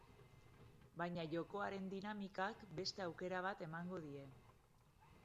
Baina jokoaren dinamikak beste aukera bat emango die.